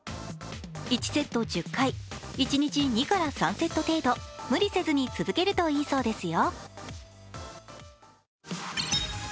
１セット１０回、一日２３セット程度無理せずに続けるといいそうですよ。